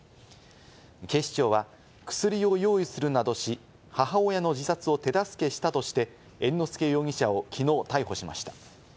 警視庁は薬を用意するなどし、母親の自殺を手助けしたとして、猿之助容疑者をきのう逮捕しました。